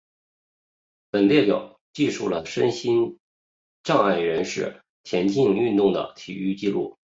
本列表记述了身心障碍人士田径运动的体育纪录。